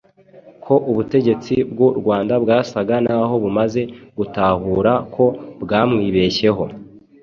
ko ubutegetsi bw'u Rwanda bwasaga naho bumaze gutahura ko bwamwibeshyeho